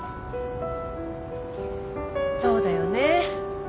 そうだよね。